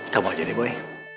kamu aja deh boy